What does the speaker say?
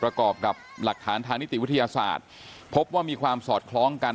ประกอบกับหลักฐานทางนิติวิทยาศาสตร์พบว่ามีความสอดคล้องกัน